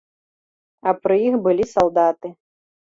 А пры іх былі салдаты.